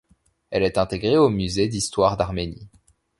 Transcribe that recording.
Elle est intégrée au musée d'Histoire d'Arménie.